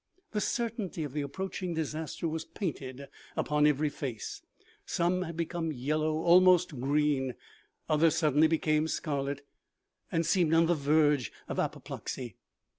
The certainty of the approaching disaster was painted upon every face ; some had become yellow, almost green ; others suddenly became scarlet and seemed on the verge of apoplexy.